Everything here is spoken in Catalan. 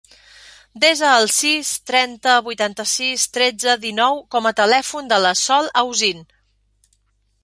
Desa el sis, trenta, vuitanta-sis, tretze, dinou com a telèfon de la Sol Ausin.